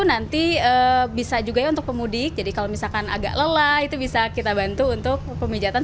nanti bisa juga ya untuk pemudik jadi kalau misalkan agak lelah itu bisa kita bantu untuk pemijatan